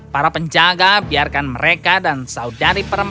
para penjaga biarkan mereka dan saudari perempuan